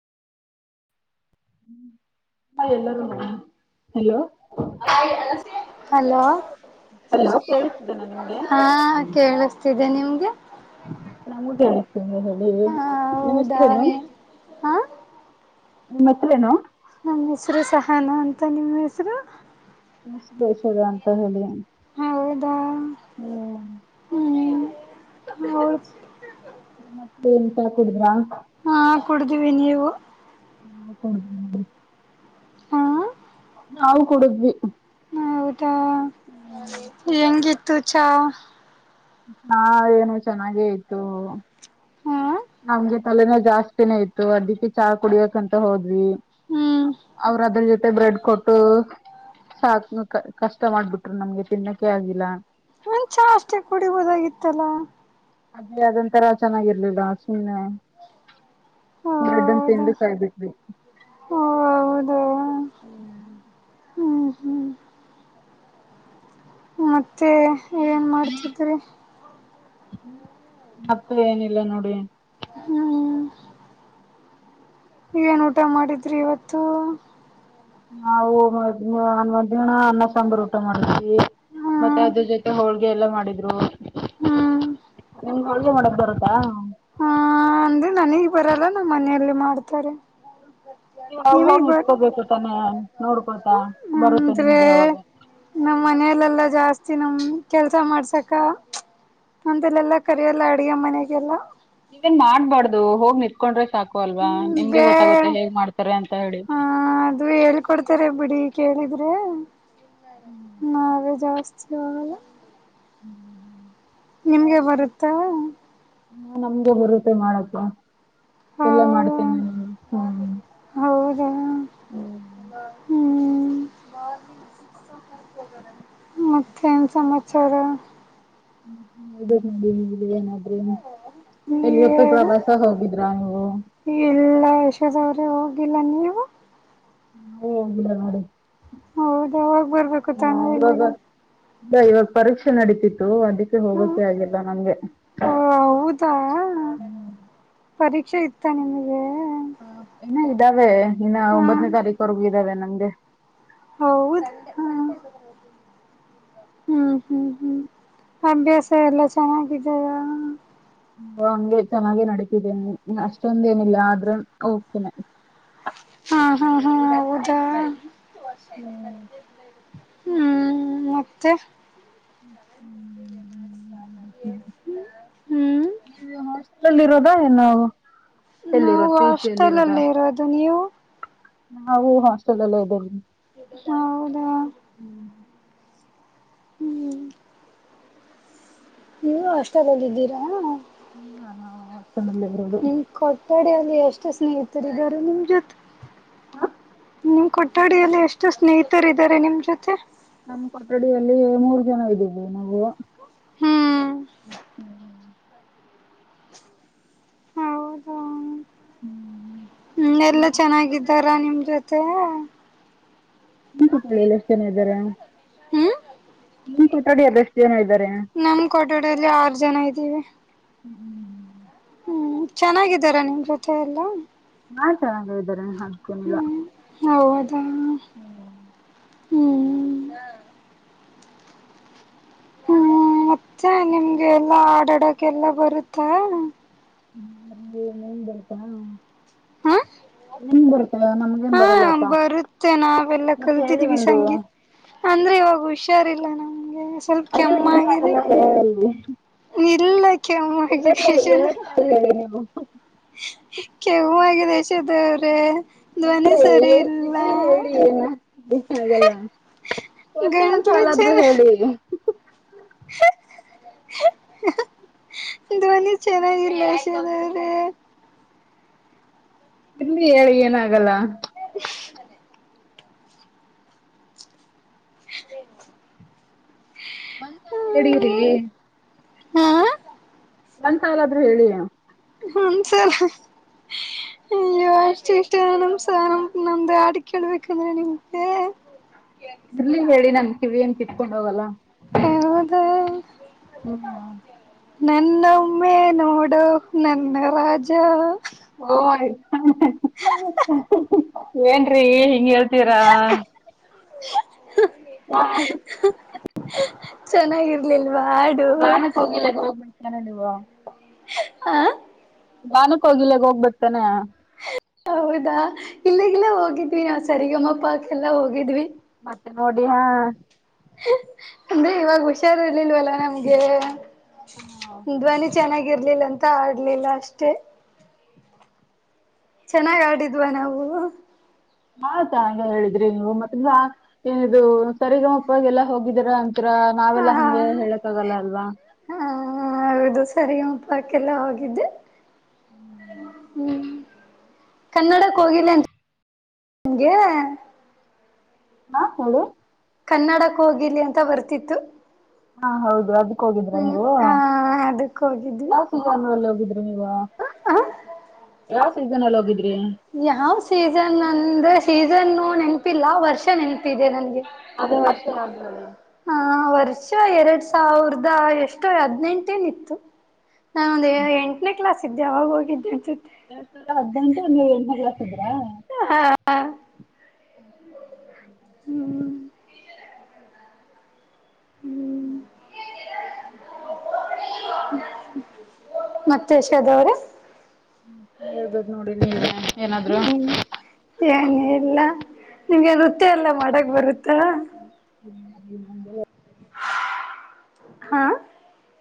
ಎಲ್ಲ hello hello. Hello ಕೇಳಿಸ್ತಿದ್ದೇನಾ ನಿಮ್ಗೆ ಹಾ ಕೇಳ ಿದೆ ನಿಮ್ಗೆ ನಮಗತೀಿ ಹೇಳಿ ಹ ನಿಮ್ಮ ಹೌದಾ ಹೆಸ್ರೇನು ಹಾ ನಿಮ್ ಹೆಸ್ರೇನು ನಮ್ ಹೆಸ್ರು ಸಹನ ಅಂತ ನಿಮ್ ಹೆಸರು. ನಮ್ ಹೆಸ್ರು ಯಶೋದಾ ಅಂತ ಹೇಳಿ. ಹೌದಾ ಹ್ಮ್ ಹ್ಮ್ ಹೌದ್ ಮತ್ತೆ ಎಂತ ಕುಡ್ದ್ರ. ಹಾ ಕುಡ್ದ್ವಿ ನೀವು. ನಾ ಕುಡ್ದ್ ನೋಡಿ ಹಾ ನಾವು ಕುಡುದ್ವಿ. ಹಾ ಹೆಂಗಿತ್ ತ್ತು ಛ ಹಾ ಏನು ಚೆನ್ನಾಗೇ ಇತ್ತು. ಹಾ [unintelligible] ನಮ್ಗೆ ತಲೆನೋವ್ ಜಾಸ್ತಿನೇ ಇತ್ತು ಅದಿಕ್ಕೆ ಚಾ ಕುಡಿಯಕಂತ ಹೋದ್ವಿ ಹ್ಮ್ [unintelligible] ಅವ್ರ ಅದ್ರ ಜೊತೆ ಬ್ರೆಡ್ ಕೊಟ್ಟು ಸಾಕ್ ಕಷ್ಟ ಮಾಡ್ಬಿಟ್ ನಮ್ಗೆ ತಿನ್ನೋಕ್ಕೆೆ ಆಗಿಲ್ಲ. ಚಾ ಅಷ್ಟೆ ಕುಡಿಬೋದಗಿತ್ತಲ. ಅದೇ ಅದೊಂತರ ಚೆನ್ನಾಗಿರ್ಲಿಲ್ಲ ಸುಮ್ನೆ [unintelligible] ಮನ್ ಹೌದಾ ತಿಂದು ಕೈ ಬಿಟ್ವಿ ಹೌದು [unintelligible] ಹ್ಮ್ ಮ್ಮ ತ್ತೆ ಏನು ಮಾಡ್ತಿದ್ರಿ [unintelligible] ಹಪ್ಪ ಏನಿಲ್ಲ ನೋಡಿ ಹ್ಮ್ ಏನ್ ಊಟ ಮಾಡಿದ್ರಿ ಇವತ್ತು. ನಾವು ಹ ನನ್ ಮಧ್ಯಾಹ್ನ ಅನ್ನ ಸಾಂಬಾರು ಊಟ ಮಾಡಿದ್ವಿ ಮತ್ತೆ ಹ್ಮ್ ಅದ್ರ ಜೊತೆ ಹೋಳ್ಗೆ ಎಲ್ಲಾ ಮಾಡಿದ್ರು. ಹ್ಮ್ [unintelligible] ಹ್ಮ್ ಹೋಳಿಗೆ ಮಾಡಕ್ ಬರುತ್ತಾ ನನಿಗ್ ಬರಲ್ಲ ನಮ್ಮ ಮನೆಯಲ್ಲಿ ಮಾಡ್ತಾರೆ. ನೀವ್ ಹೋಗ್ ಹೋಗ್ ನಿಮಗ್ ಬರ್ ನಿತ್ಕೋಬೇಕು ತಾನೆ ನೋಡ್ಕೋತ ಬರುತ್ತೆ ನಿಮ್ಗು ಅವಾಗ. ಇಲ್ಲಲ್ಲಾ ಜಾಸ್ತಿ ನಮ ಕೆಲ್ಸ ಮಾಡ್ಸಕ ಅಂತೆಲ್ಲೆಲ್ಲಾ ಕರಿಯಲ್ಲ ಅಡ್ಗೆ ಮನೆಗೆಲ್ಲ. ನೀವೇನ್ ಮಾಡ್ಬಾರ್ದು ಹೋಗ್ ನಿತ್ಕೊಂಡ್ರೆ ಸಾಕು ಅಲ್ವಾ ಹ್ಮ್ ನಿಮ್ಗೆ ಬೇ ಗೊತ್ತಾಗುತ್ತೆ ಹೇಗ್ ಮಾಡ್ತಾರೆ ಅಂತ ಹೇಳಿ. ಹ ಅದು ಹೇಳ್ಕೊಡ್ತಾರೆ ಬಿಡಿ ಕೇಳಿದ್ರೆ ನಾವು ಜಾ [unintelligible] ಆಗಲ್ಲ. ಹ್ಮ್ ಹ್ ಹ್ ನಿಮ್ಗೆ ಬರುತ್ತಾ ಹಾ ನಮ್ಗೆ ಬರುತ್ತೆ ಮಾಡಕ್ಕೆ. ಎಲ್ಲ ಹೌ ಮಾಡ್ತೇನೆ ನಾನು ಹ್ಮ್ ಹೌದಾ ಹ್ಮ ಹ್ಮ್ ಮತ್ತೇನ್ ಸಮಾಚಾರ. [unintelligible] ಬಿಡಿ ಏನಾದ್ರೆನ್ ಇಲ್ಲಿವತ್ತು ನೀವೇ ಪ್ರವಾಸ ಹೋಗಿದ್ರಾ ನೀವು. [unintelligible] ಅವ್ರು ಹೋಗಿಲ್ಲ ನೀವು ನಾವು ಹೋಗಿಲ್ಲ ನೋಡಿ. ಹೌದ ಬರ್ಬೇಕು ಆ ತಾನೆ ಇವಾಗ ಇಲ್ಲಿಗೆ. ಇಲ್ಲ ಇವಾಗ ಪರೀಕ್ಷೆ ನಡೀತಿತ್ತು ಅನ್ ಅದಕ್ಕೆ ಹೋಗಕ್ಕೆ ಓ ಆಗಿಲ್ಲ ನಮ್ಗೆ ಹೌದಾ ಹ್ಮ್ ಪರೀಕ್ಷೆ ಇತ್ತ ನಿಮಗೆ ಹ ಇನ್ನ ಇದ್ದಾವೆ ಇನ್ನ ಹಾ ಒಂಬತ್ತನೇ ತಾರೀಕ್ ವರ್ಗೂ ಇದ್ದಾವೆ ನಮ್ಗೆ ಹೌದ ಹ್ಮ್ ಹ್ಮ್ ಹ್ಮ್ ಅಭ್ಯಾಸ ಎಲ್ಲ ಚೆನ್ನಾಗಿದಾವ ಹ ಹಂಗೆ ಚೆನ್ನಾಗೆ ನಡತಿದ್ದೇನೆ ಅಷ್ಟೊಂದ ಏನಿಲ್ಲ ಆದ್ರೆ ಓಕೆ ನೆ ಹಾ ಹಾ ಹಾ ಹೌದಾ ಹ್ಮ್ ಹ್ಮ್ ಮತ್ತೆ ಹ್ ಹ್ಮ ಹ್ಮ್ ಹ್ಮ್ ನೀವು [unintelligible] ಎಲ್ಲಿರೋದೋ ಏನ್ ನಾವು ನಾವು ಹಾಸ್ಟೆಲ್ ಅಲ್ಲೇ ಇರೋದು ನೀವು. ನಾವು ಹಾಸ್ಟೆಲಲ್ಲೇ ಇದ್ದೇವಿ. ಹೌದ ಹ್ಮ್ ನೀವು ಹಾಸ್ಟಲಲ್ಲಿದ್ದೀರಾ ಹ್ಮ ನನ್ನ ಅವ್ ನಿನ್ನ ಕೊಠಡಿ ಲ್ಲಿ ಎಷ್ಟ ಸ್ನೇಹಿತರಿದಾರೆ ನಿಮ್ ಜೊತೆ ಹಾ. ನಿಮ್ ಕೊಠಡಿಯಲ್ಲಿ ಎಷ್ಟು ಸ್ನೇಹಿತರ ಇದಾರೆ ನಿಮ್ ಜೊತೆ ನಮ್ಮ ಕೊಠಡಿಯಲ್ಲಿ ಮೂರು ಜನ ಇದ್ದ್ವಿ ನಾವು ಹ್ಮ್ ಹೌದಾ ಹ್ಮ್ ಎಲ್ಲಾ ಚೆನ್ನಾಗಿದ್ದಾರಾ ನಿಮ್ ಜೊತೆ ನಿನ ಕೊಠಡಿ ಅಲ್ಲಿ ಎಷ್ಟು ಜನ ಇದ್ದಾರೆ ಹ್ಮ್ ನೀನ್ ನಡಿ ಆದ ಎಷ್ಟು ಜನಇದ ನಮ್ ಕೊಠಡಿ ಅಲ್ಲಿ ಆರು ಜನ ಇದ್ದೀವಿ ಹ್ಮ್ ಹ್ಮ್ ಚೆನ್ನಾಗಿದ್ದಾರಾ ನಿಮ್ ಜೊತೆ ಎಲ್ಲಾ. ಹಾ ಚೆನ್ನಾಗ ಇದಾರೆ. ಕನಲಾ ಹ್ಮ್ ಹೌದಾ ಹ್ಮ ಹ್ಮ್ ಹ್ಮ್ ಮತ್ತೆ ನಿಮ್ಗೆ ಎಲ್ಲಾ ಆಡಾಡಕ್ಕೆ ಎಲ್ಲ ಬರುತ್ತಾ ಹ್ಮರಿ ಏನ್ ಬರುತ್ತಾ ಹ ನಿ್ ಬ ಹಾ ಬರುತ್ತೆ ನಾವೆಲ್ಲ ಮತ್ ಹೇಳಿ ಕಲ್ತಿದೀವಿ ಒಂದು ಸಂಗೀತ್ ಅಂದ್ರೆ ಇವಾಗ ಹುಷ ಹುಷಾರಿಲ್ಲ ನಂಗೆ ಅಯ್ಯೋ ಅಲ್ಲಿ ಒ ಇಲ್ಲ ಕೆಮ್ಮಾಗಿದೆ ಎರಡ್ ಲ ಎರಡ್ ಸಾವಿರ ಹೇಳಿ ನೀವು ಕೆವುಮ್ಮಗಿದೇಶ ದೇವ್ರೆ ಇ ಇ ಹೇಳಿ ಏ ಹಾಗಲ್ಲ ಒಂದೆ ಗಂಟ್ಲು ಒಂದ್ಸಾಲ ಆದ್ರೂ ಚೆನ್ನ ಹೇಳಿ ಧ್ವನಿ ಚೆನ್ನಾಗಿರ್ಲಿಷೆ ಇಲ್ಲಿ ಹೇಳಿ ಏನಾಗಲ್ಲ ಅ ಹ್ಮ ಡರಿ ಹ್ಮ್ ಒಂದ್ಸಾಲ ಆದ್ರೂ ಹೇಳಿ ಹಸರ್ಯ್ಯೋ ಅಷ್ಟು ಇಷ್ಟ ನಮಸ ನಮ ನಮ್ದು ಆಡ್ ಕಳ್ಬೇಕಂದ್ರೆ ನಿಮಗೆ ಇರ್ಲಿ ಹೇಳಿ ನಮ ಕಿವಿ ಂತ ಕಕೊಂಡೋಗಲ್ಲ ಹೌದಾ ಹ್ಮ ನನ್ನೊಮ್ಮೆ ನೋಡುೋ ನನ್ನ ರಾಜ ಏನ್ೀ ಹಿಂಗ ಹೇಳ್ ಸರ ಹ ಹಾ ಚೆನ್ನಾಗಿರ್ಲಿಲ್ಲ ಬಾನಕ್ ಹೋಗಿಲ್ಲ ಹೋಗಬ ನ ನೀವಾ ಹಾ ನಾನಕ್ ಹೋಗಿಿಲ್ಲಗ್ ಹೋಗ್ಬರ್ತಾನ ಹೌದಾ ಇಲ್ಲಗೆಲ್ಲ ಹೋಗಿದ್ವಿ ನಾವವು ಸರಿಗಮ್ಮ ಪಾಕ್ಕೆಲ್ಲ ಹೋಗಿದ್ವಿ ಮತ್ತೆ ನೋಡಿ ಹಾ ಅಂದೆ ಇವಾಗ ಹುಷಾರರ್ಲ್ಲಿಲ್ವಲ್ಲಾ ನಮ್ಗೆ ಧ್ವನಿ ಚೆನ್ನಾಗಿ ಇರಲಿಲ್ಲಾ ಅಂತ ಆಡ್ಲಿಲ್ಲ ಅಷ್ಟೇ ಚೆನ್ನಾಗ ಆಡಿದ್ವಾ ನಾವು ಹಾ ತಾ ಅಂತ ಎಲ್ಲಾ ಹೇಳಿದ್ರಿ ನೀವು ಮತ್ತ ಏನಿದು ಸರಿಗಮ್ಮಪ್ಪಗೆಲ್ಲಾ ಹೋಗಿದ್ದೀರಾ ಅಂತ ಹತ್ರ ಹ ನಾವೆಲ್ಲಾ ಹಾ ಹಂಗೆ ಹೇಳಕ್ ಆಗಲ್ಲ ಅಲ್ವಾ ಸರಿ ಪಾಕ್ಕೆಲ್ಲ ಹಾಗಿದೆ [unintelligible] ಹ್ಮ [unintelligible] ಕನ್ನಡ ಕೋಗಿಲೆ [unintelligible] ನಿಮ್ಗೆ ಹ ಹೇಳಿ ಕನ್ನಡ ಕೋಗಿಲೆ ಅಂತ ಬರ್ತಿತ್ತು. ಹಾ ಹೌದು ಹೌದು. ಹೋಗಿದ್ರ ಹ್ಮ್ ನೀವು ಆ [unintelligible] ಅದಕ್ ಹೋಗಿದ್ವಿ ಯಾವ್ ಸೀಸನ್ ಅಲ್ಲಿ ಹೋಗಿ ನೀವಾ [unintelligible] ಯ ಸೀಸನಲ್ಲಿ ಹೋಗಿದ್ ಯಾವ್ ಸೀಸನ್ ಅಂದ್ರೆ ಸೀಸನ್ ನೆನಪಿಲ್ಲ ವರ್ಷ ನೆನಪ ಇದೆ ನನ್ಗೆ. ಅದೇ ವರ್ಷ ಯದ್ರಾಲಿ ಆ ವರ್ಷ ಎರಡ್ ಸಾವಿರದ ಎಷ್ಟೋ ಹದ್ನೆಂಟು ಎನ್ ಇತ್ತು. ನಾ ಒಂದ್ ಎಂಟ್ನೇ ಕ್ಲಾಸ್ ಇದ್ದೇ ಅವಗ್ ಹೋಗಿದ್ದೆ ಅನ್ಸ್ ಎರಡ್ ಸಾವಿರ ಹದ್ನೆಂಟು ನೀವು ಎಂಟನೇ ಕ್ಲಾಸ್ ಇದ್ರಾ ಹಾ ಹ್ಮ್ ಹ್ಮ್ [unintelligible] ಮತ್ತೆ ಯಶೋದ ಅವ್ರೆ ಹ್ಮ ಹೇಳ್ಬೇದು ನೋಡಿ ನೀವೆ ಏನಾದ್ರು. ಹ್ಮ್ ಏನಿಲ್ಲ ನಿಮ್ಗೆ ನೃತ್ಯ ಎಲ್ಲಾ ಮಾಡಕ್ ಬರುತ್ತ. [unintelligible] ನಂಗೇಲ್ಲೋ ಹಾ